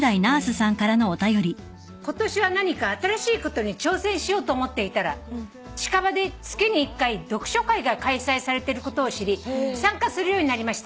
「今年は何か新しいことに挑戦しようと思っていたら近場で月に１回読書会が開催されてることを知り参加するようになりました」